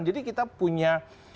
jadi kita punya